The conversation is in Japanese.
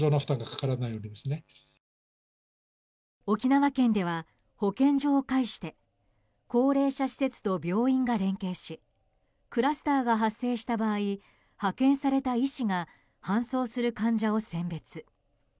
沖縄県では、保健所を介して高齢者施設と病院が連携しクラスターが発生した場合派遣された医師が搬送する患者を選別。